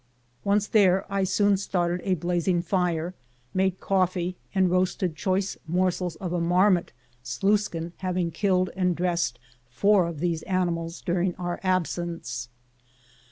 Once there I soon started a blazing fire, made coffee, and roasted choice morsels of a marmot, Sluiskin hav ing killed and dressed four of these animals during 123 MOUNT RAINIER our absence.